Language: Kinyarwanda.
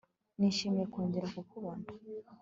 Nishimiye kongera kukubona